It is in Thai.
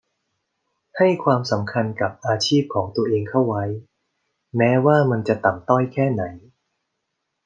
ให้ความสำคัญกับอาชีพของตัวเองเข้าไว้ แม้ว่ามันจะต่ำต้อยแค่ไหน